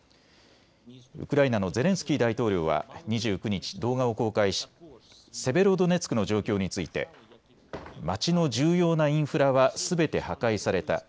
ウクライナのゼレンスキー大統領は２９日、動画を公開しセベロドネツクの状況について街の重要なインフラはすべて破壊された。